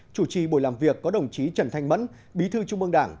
chủ trì buổi làm việc có đồng chí trần thanh mẫn bí thư trung mương đảng